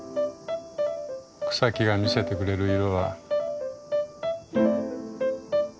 草木が見せてくれる色は。